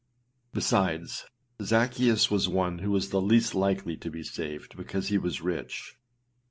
Besides, Zaccheus was one who was the least likely to be saved because he was rich.